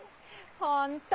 本当。